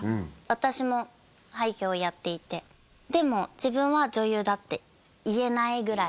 私も俳優業をやっていてでも自分は女優だって言えないぐらい